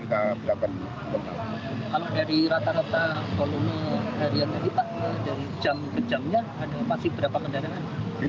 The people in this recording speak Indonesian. kalau dari rata rata volume harian tadi pak dari jam ke jamnya masih berapa kendaraan